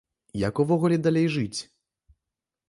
Як увогуле далей жыць?